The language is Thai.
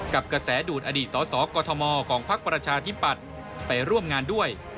กระแสดูดอดีตสสกมของพักประชาธิปัตย์ไปร่วมงานด้วย